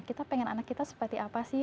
kita pengen anak kita seperti apa sih